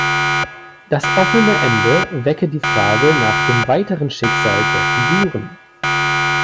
Das offene Ende wecke die Frage nach dem weiteren Schicksal der Figuren.